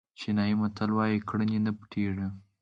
چینایي متل وایي کړنې نه پټېږي.